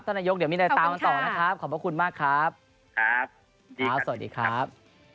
นายกเดี๋ยวมีอะไรตามกันต่อนะครับขอบพระคุณมากครับครับสวัสดีครับ